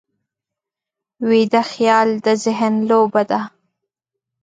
ویده خیال د ذهن لوبه ده